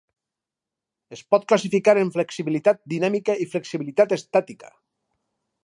Es pot classificar en flexibilitat dinàmica i flexibilitat estàtica.